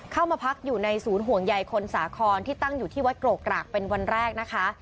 เข้ามาพักอยู่ในศูนย์ห่วงใยคนสาครที่ตั้งอยู่ที่วัดโกรกกรากเป็นวันแรกนะคะ